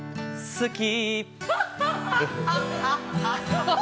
好き。